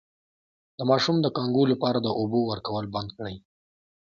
د ماشوم د کانګو لپاره د اوبو ورکول بند کړئ